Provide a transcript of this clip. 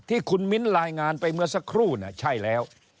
ที่คุณมิ้นรายงานไปเมื่อสักครู่ใช่แล้ว